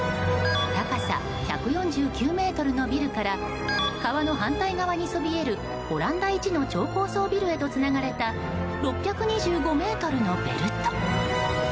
高さ１４９ｍのビルから川の反対側にそびえるオランダいちの超高層ビルへとつながれた６２５ｍのベルト。